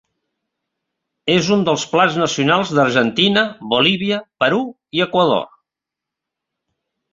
És un dels plats nacionals d'Argentina, Bolívia, Perú i Equador.